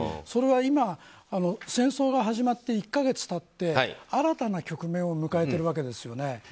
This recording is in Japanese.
それは今、戦争が始まって１か月経って新たな局面を迎えているわけですよね。